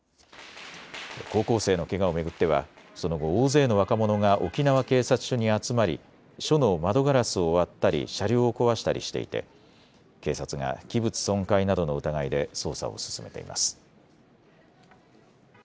高校生のけがを巡ってはその後、大勢の若者が沖縄警察署に集まり署の窓ガラスを割ったり車両を壊したりしていて警察が器物損壊などの疑いで捜査を進めています。